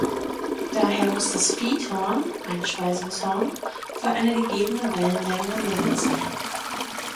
Daher muss das Feedhorn (Einspeisungshorn) für eine gegebene Wellenlänge länger sein.